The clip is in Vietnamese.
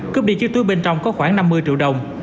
cướp đi trước túi bên trong có khoảng năm mươi triệu đồng